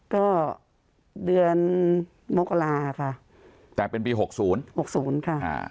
ก็เดือนมกราค่ะแต่เป็นปีหกศูนย์หกศูนย์ค่ะอ่า